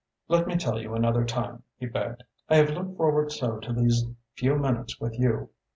"Let me tell you another time," he begged. "I have looked forward so to these few minutes with you.